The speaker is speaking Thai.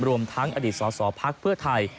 รวมทั้งอดีตสอสอภักดิ์เพื่อไทย